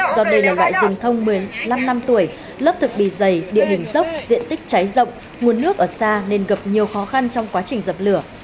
do đây là loại rừng thông một mươi năm năm tuổi lớp thực bì dày địa hình dốc diện tích cháy rộng nguồn nước ở xa nên gặp nhiều khó khăn trong quá trình dập lửa